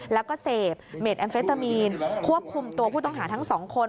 แล้วก็เสพเมดแอมเฟตามีนควบคุมตัวผู้ต้องหาทั้งสองคน